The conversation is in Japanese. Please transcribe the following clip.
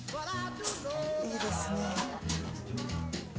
いいですね。